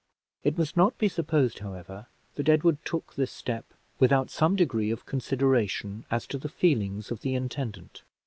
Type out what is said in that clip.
It must not be supposed, however, that Edward took this step without some degree of consideration as to the feelings of the intendant.